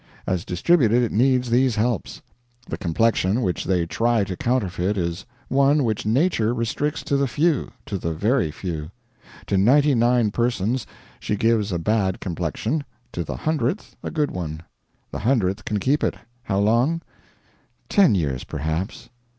As distributed it needs these helps. The complexion which they try to counterfeit is one which nature restricts to the few to the very few. To ninety nine persons she gives a bad complexion, to the hundredth a good one. The hundredth can keep it how long? Ten years, perhaps.